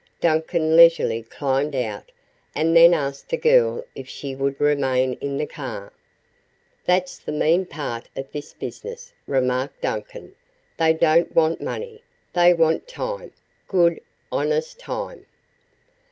Duncan leisurely climbed out and then asked the girl if she would remain in the car. "That's the mean part of this business," remarked Duncan; "they don't want money they want time good, honest time."